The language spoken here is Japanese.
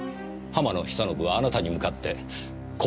浜野久信はあなたに向かってこう言った。